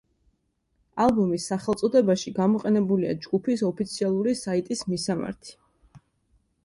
ალბომის სახელწოდებაში გამოყენებულია ჯგუფის ოფიციალური საიტის მისამართი.